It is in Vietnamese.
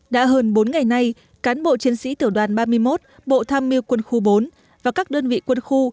đã hơn bốn ngày nay cán bộ chiến sĩ tiểu đoàn ba mươi một bộ tham mưu quân khu bốn và các đơn vị quân khu